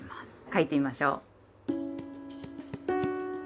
書いてみましょう。